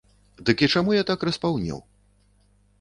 Ды і чаму я так распаўнеў?